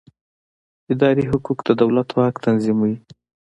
اداري حقوق د دولت واک تنظیموي.